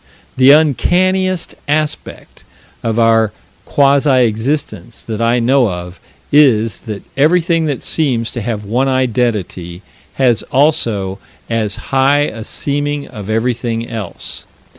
The uncanniest aspect of our quasi existence that I know of is that everything that seems to have one identity has also as high a seeming of everything else.